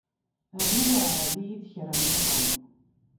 Rnu weεεed-iyi-d kra nniḍen.